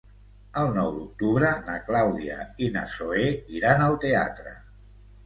El nou d'octubre na Clàudia i na Zoè iran al teatre.